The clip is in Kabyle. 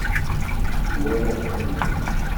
Nwala-ten.